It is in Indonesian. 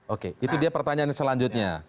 oke itu dia pertanyaan selanjutnya